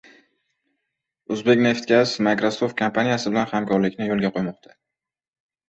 «O‘zbekneftgaz» Microsoft kompaniyasi bilan hamkorlikni yo‘l qo‘ymoqda